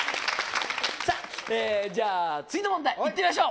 さぁじゃあ次の問題行ってみましょう。